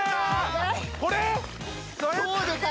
これ？